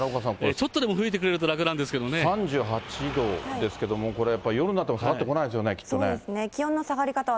ちょっとでも吹いてくれると楽な３８度ですけども、これ、やっぱり夜になっても下がってこないですよね、きっとね。